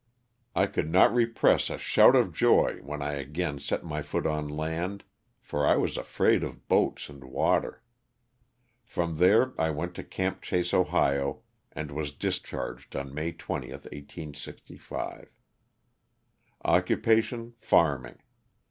I could not repress a shout of joy, when I again set my foot on land, for I was afraid of boats and water. From there I went to *^^Camp Chase," Ohio, and was discharged on May 20, 1865. Occupation, farming.